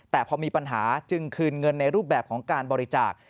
แต่พอมีปัญหาจึงคืนเงินในรูปแบบของการบริจาค